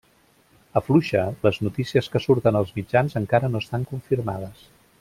Afluixa! Les notícies que surten als mitjans encara no estan confirmades.